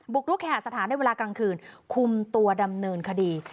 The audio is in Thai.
กรุกเคหาสถานในเวลากลางคืนคุมตัวดำเนินคดี